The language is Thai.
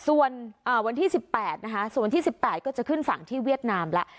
วันที่๑๘ก็จะขึ้นฝั่งที่เวียดนามแล้ว